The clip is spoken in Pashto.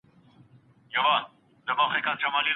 مثبت خلګ مو تل په لاره کي مرسته کوي.